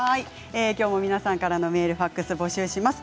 きょうも皆さんからのメール、ファックスを募集します。